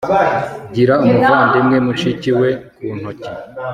gira umuvandimwe mushiki we ku ntoki